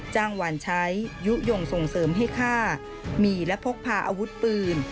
จ้างหวานใช้ยุโยงส่งเสริมให้ฆ่ามีและพกพาอาวุธปืน